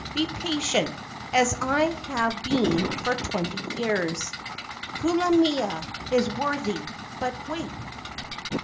Be patient, as I have been for twenty years. Kulamea is worthy but wait."